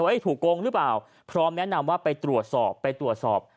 ว่าถูกกงหรือเปล่าเพราะแนะนำว่าไปตรวจสอบ